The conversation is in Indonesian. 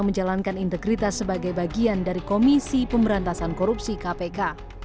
menjalankan integritas sebagai bagian dari komisi pemberantasan korupsi kpk